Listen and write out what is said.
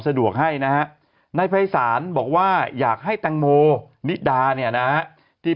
สะดวกให้นะฮะนายภัยศาลบอกว่าอยากให้แตงโมนิดาเนี่ยนะฮะที่